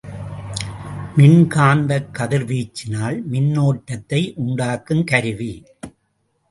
மின்காந்தக் கதிர் வீச்சினால் மின்னோட்டத்தை உண்டாக்கும் கருவி.